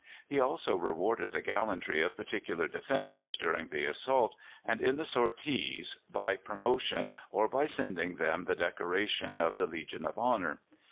He also rewarded the gallantry of particular defenders during the assault and in the sorties by promotion, or by sending them the decoration of the Legion of Honour.